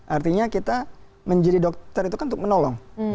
artinya kita menjadi dokter itu kan untuk menolong